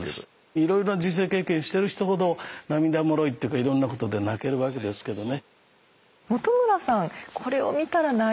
いろいろな人生経験してる人ほど涙もろいっていうかいろんなことで泣けるわけですけどね。